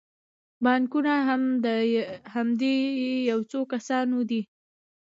بانکونه هم د همدې یو څو کسانو دي